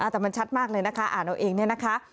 แต่มันชัดมากเลยนะคะอ่านเอาเองเนี่ยนะคะ